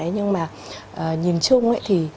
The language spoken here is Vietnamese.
nhưng mà nhìn chung thì